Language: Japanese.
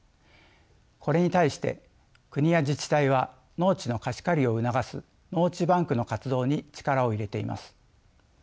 これに対して国や自治体は農地の貸し借りを促す農地バンクの活動に力を入れています。